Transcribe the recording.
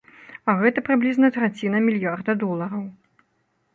А гэта прыблізна траціна мільярда долараў.